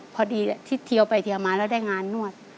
พอดีที่เทียวไปเทียวมาแล้วได้งานนวด